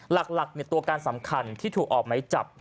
หลักตัวการสำคัญที่ถูกออกไหมจับ